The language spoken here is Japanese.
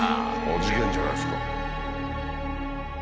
事件じゃないですか。